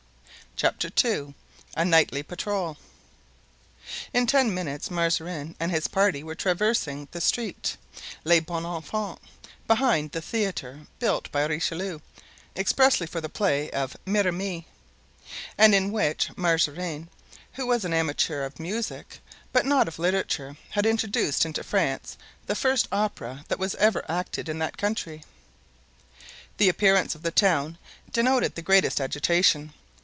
Chapter II. A Nightly Patrol. In ten minutes Mazarin and his party were traversing the street "Les Bons Enfants" behind the theatre built by Richelieu expressly for the play of "Mirame," and in which Mazarin, who was an amateur of music, but not of literature, had introduced into France the first opera that was ever acted in that country. The appearance of the town denoted the greatest agitation.